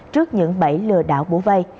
trước những bảy lừa đảo bổ vay